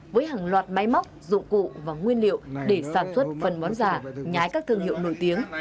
với hàng loạt máy móc dụng cụ và nguyên liệu để sản xuất phân bón giả nhái các thương hiệu nổi tiếng